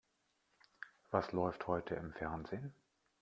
Was läuft heute im Fernsehen?